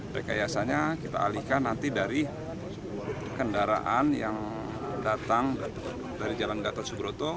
rekayasanya kita alihkan nanti dari kendaraan yang datang dari jalan gatot subroto